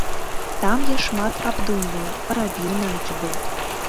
Там я шмат абдумваў, рабіў накіды.